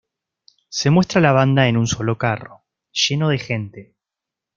Se muestra a la banda en un solo carro, lleno de gente.